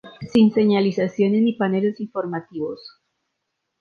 Sin señalizaciones ni paneles informativos.